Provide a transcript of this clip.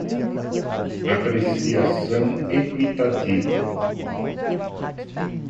apreciação equitativa